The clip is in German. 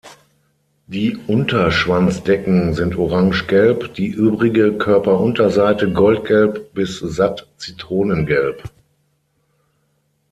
Die Unterschwanzdecken sind orangegelb, die übrige Körperunterseite goldgelb bis satt zitronengelb.